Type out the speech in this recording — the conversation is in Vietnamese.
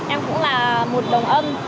em cũng là một đồng âm